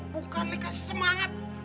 bukannya kasih semangat